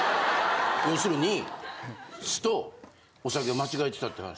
要するに酢とお酒を間違えてたって話？